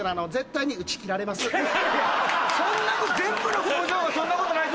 全部の工場はそんなことないと。